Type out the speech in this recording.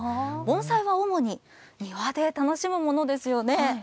盆栽は主に、庭で楽しむものですよね。